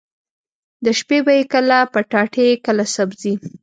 د شپې به يې کله پټاټې کله سبزي.